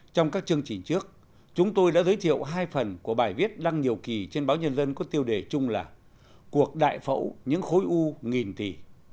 trong các chương trình trước chúng tôi đã giới thiệu hai phần của bài viết đăng nhiều kỳ trên báo nhân dân có tiêu đề chung là cuộc đại phẫu những khối u nghìn tỷ